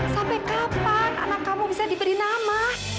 sampai kapan anak kamu bisa diberi nama